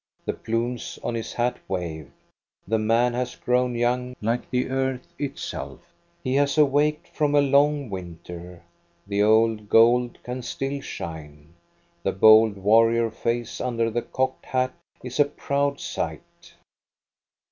The plumes on his hat wave. The man has grown young like the earth itself. He has awaked from a long winter. The old gold can still shine. The bold war rior face under the cocked hat is a proud sight.